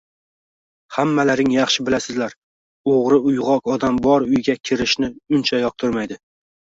Hammalaring yaxshi bilasizlar, oʻgʻri uygʻoq odam bor uyga kirishni uncha yoqtirmaydi